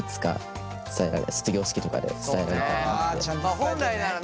本来ならね